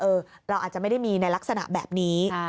เราอาจจะไม่ได้มีในลักษณะแบบนี้